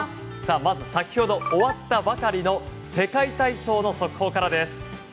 まずは先ほど終わったばかりの世界体操の速報からです。